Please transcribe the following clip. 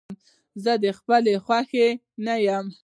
زه د خپلې خوښې نه يم.